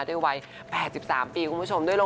ด้วยวัย๘๓ปีคุณผู้ชม